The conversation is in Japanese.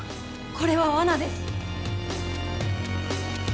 これはわなです。